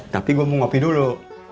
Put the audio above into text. tapi gue mau ngopi dulu